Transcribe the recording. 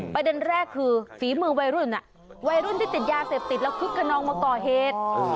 ประเด็นแรกคือฝีมือวัยรุ่นวัยรุ่นที่ติดยาเสพติดแล้วคึกขนองมาก่อเหตุ